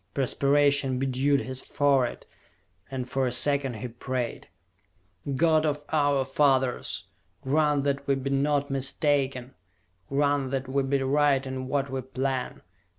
Perspiration bedewed his forehead, and for a second he prayed. "God of our fathers! Grant that we be not mistaken! Grant that we be right in what we plan!